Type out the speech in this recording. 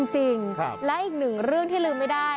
จริงและอีกหนึ่งเรื่องที่ลืมไม่ได้